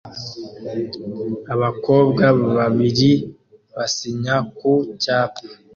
Abakobwa babiri basinya ku cyapa